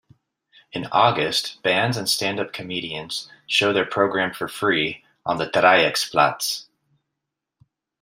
In August bands and stand-up comedians show their program for free on the Dreiecksplatz.